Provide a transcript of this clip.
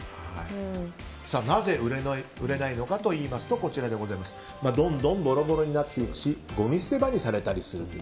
なぜ売れないのかといいますとどんどんボロボロになっていくしごみ捨て場にされたりすると。